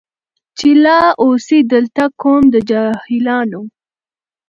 چي لا اوسي دلته قوم د جاهلانو